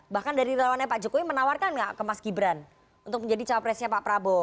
bahkan dari relawannya pak jokowi menawarkan nggak ke mas gibran untuk menjadi cawapresnya pak prabowo